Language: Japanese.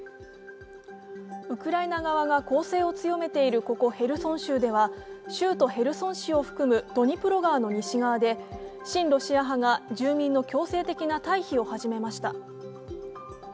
ウクライナ側が昴生を強めているここヘルソン州では州都ヘルソン市を含むドニプロ川の西側で親ロシア派が住民の強制的な退避を始めました。